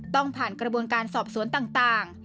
ต้องผ่านกระบวนการสอบสวนต่าง